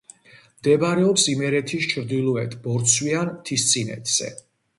მდებარეობს იმერეთის ჩრდილოეთ ბორცვიან მთისწინეთზე.